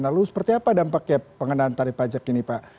lalu seperti apa dampaknya pengenaan tarif pajak ini pak